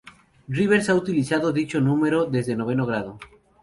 Rivers ha utilizado dicho número desde noveno grado.